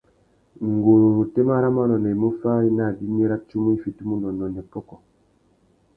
Nguru râ otémá râ manônōh i mú fári nà abimî râ tsumu i fitimú unônōh nà ikôkô.